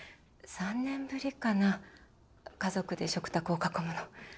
３年ぶりかな家族で食卓を囲むの。